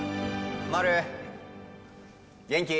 丸！元気？